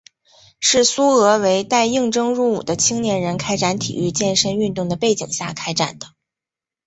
是苏俄为待应征入伍的青年人开展体育健身运动的背景下开展的。